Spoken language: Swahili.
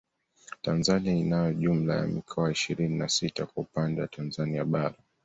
Tanzania inayo jumla ya mikoa ishirini na sita kwa upande wa Tanzania bara